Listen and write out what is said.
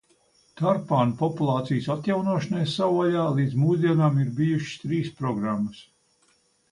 Tarpāna populācijas atjaunošanai savvaļā līdz mūsdienām ir bijušas trīs programas.